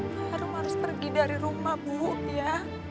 parung harus pergi dari rumah bu ya